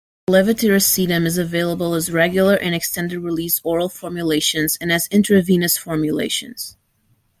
Levetiracetam is available as regular and extended release oral formulations and as intravenous formulations.